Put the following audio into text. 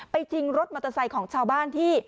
ชิงรถมอเตอร์ไซค์ของชาวบ้านที่